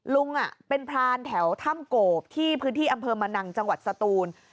ลุงเป็นพรานแถวถ้ำโกบที่พื้นที่อำเภอมะนังจังหวัดสตูน